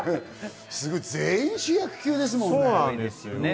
全員主役級ですもんね。